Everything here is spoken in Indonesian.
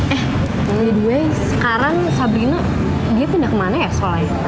eh yang lagi dua ya sekarang sabrina dia pindah kemana ya soalnya